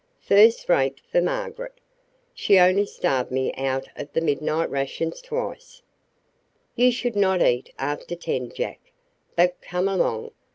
"First rate, for Margaret. She only starved me out of the midnight rations twice " "You should not eat after ten, Jack. But come along.